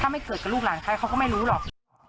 ไม่เกิดกับลูกหลานใครเขาก็ไม่รู้หรอก